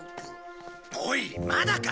おいまだか？